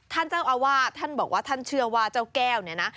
ท่านเจ้าอาวาสท่านบอกว่าท่านเชื่อว่าเจ้าแก้วเนี่ยนะ